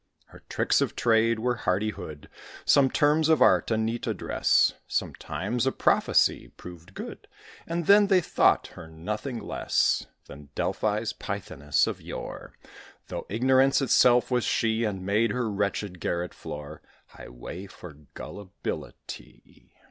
Her tricks of trade were hardihood, Some terms of art, a neat address. Sometimes a prophecy proved good, And then they thought her nothing less Than Delphi's Pythoness of yore: Though ignorance itself was she; And made her wretched garret floor Highway for gullibility.